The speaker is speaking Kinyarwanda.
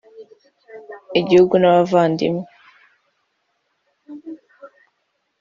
igihugu n’abavandimwe